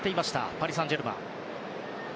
パリ・サンジェルマンです。